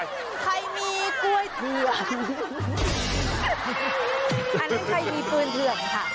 ใครมีกล้วยเถือน